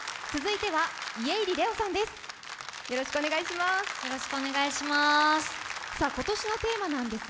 続いては、家入レオさんです。